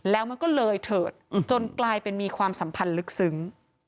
แล้วมันก็เลยเถิดจนกลายเป็นมีความสัมพันธ์ลึกซึ้ง